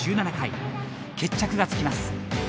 決着がつきます。